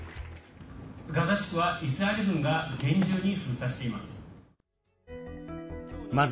ガザ地区はイスラエル軍が厳重に封鎖しています。